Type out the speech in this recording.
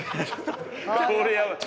これやばい。